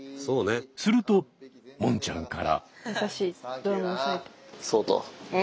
するともんちゃんから。